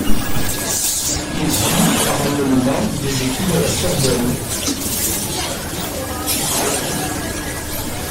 Il suit parallèlement des études à la Sorbonne.